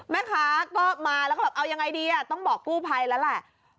แม่ค้าก็มาแล้วก็แบบเอายังไงดีต้องบอกกู้ภัยแล้วแหละ